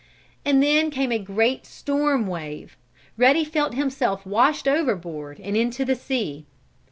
And then came a great storm wave Ruddy felt himself washed overboard and into the sea.